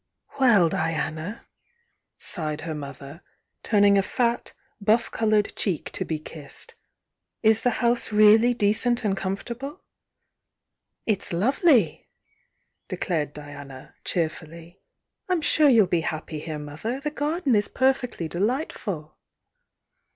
"Well, Diana!" sighed her mother, turning a fat, buff coloured cheek to be kissed, "is the house really decent and comfortable?" "It's lovely!" declared Diana, cheerfuUy — "I'm sure you'll be happy here. Mother! The garden is perfectly delightful!"